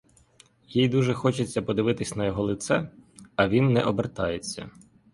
Їй дуже хочеться подивитись на його лице, а він не обертається.